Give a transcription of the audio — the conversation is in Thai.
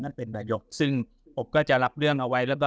เป็นนายกซึ่งผมก็จะรับเรื่องเอาไว้แล้วก็